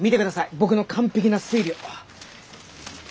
僕の完璧な推理を。